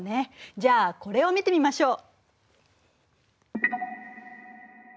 じゃあこれを見てみましょう。